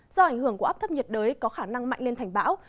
do ảnh hưởng của áp thấp nhiệt đới có khả năng mạnh lên thành bão